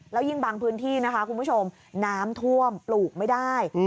แล้วยิ่งบางพื้นที่นะคะคุณผู้ชมน้ำท่วมปลูกไม่ได้